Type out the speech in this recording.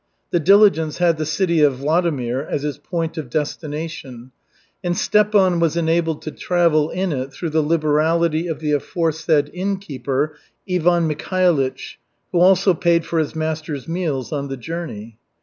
The diligence had the city of Vladimir as its point of destination, and Stepan was enabled to travel in it through the liberality of the aforesaid innkeeper Ivan Mikhailych, who also paid for his master's meals on the journey.